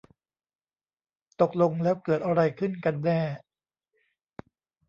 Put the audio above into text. ตกลงแล้วเกิดอะไรขึ้นกันแน่